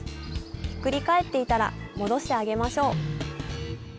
ひっくり返っていたら戻してあげましょう。